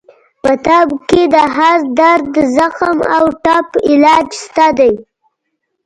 په طب کې د هر درد، زخم او ټپ علاج شته دی.